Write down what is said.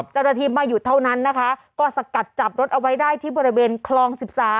เจ้าหน้าที่ไม่หยุดเท่านั้นนะคะก็สกัดจับรถเอาไว้ได้ที่บริเวณคลอง๑๓